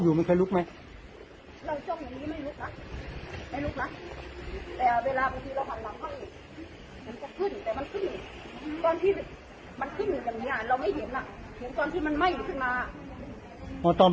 มาวันที่๒๖พระธรรมเสร็จ